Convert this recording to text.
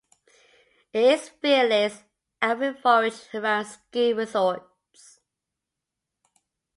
It is fearless, and will forage around ski resorts.